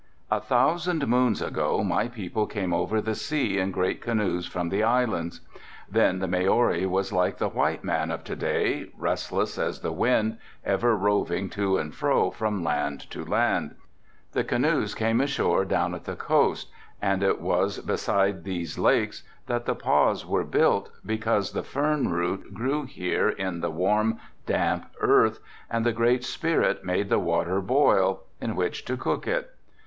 "A thousand moons ago my people came over the sea in great canoes from the islands. Then the Maori was like the white man of to day, restless as the wind, ever roving to and fro from land to land. The canoes came ashore down at the coast and it was beside these lakes that the pahs were built because the fern root grew here in the warm, damp earth and the Great Spirit made the water boil, in which to cook it.